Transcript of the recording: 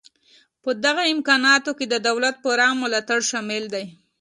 په دغه امکاناتو کې د دولت پوره ملاتړ شامل دی